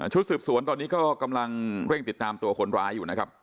ชุดสืบสวนตอนนี้ก็กำลังเร่งติดตามตัวคนร้ายอยู่นะครับ